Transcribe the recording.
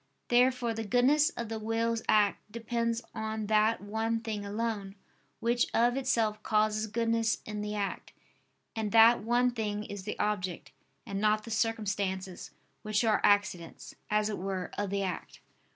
Therefore the goodness of the will's act depends on that one thing alone, which of itself causes goodness in the act; and that one thing is the object, and not the circumstances, which are accidents, as it were, of the act.